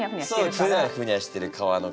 そうふにゃふにゃしてる皮の形を。